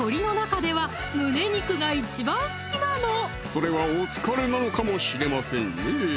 それはお疲れなのかもしれませんね